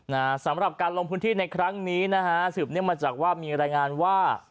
นะฮะสำหรับการลงพื้นที่ในครั้งนี้นะฮะสืบเนื่องมาจากว่ามีรายงานว่า